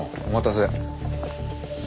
お待たせ。